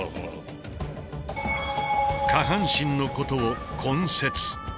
下半身のことを「根節」。